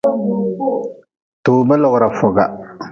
Toba logra foga.